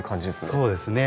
そうですね。